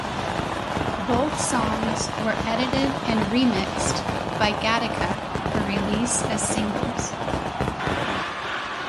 Both songs were edited and remixed by Gatica for release as singles.